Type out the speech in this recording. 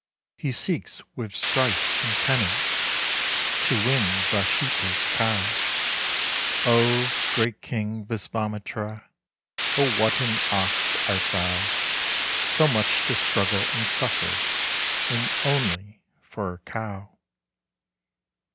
He seeks with strife and penance To win Waschischta's cow. Oh, great King Wiswamitra, Oh what an ox art thou! So much to struggle and suffer, And only for a cow.